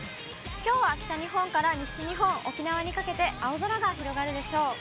きょうは北日本から西日本、沖縄にかけて青空が広がるでしょう。